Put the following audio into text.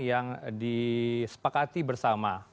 yang disepakati bersama